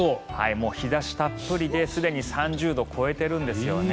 もう日差したっぷりですでに３０度を超えているんですね。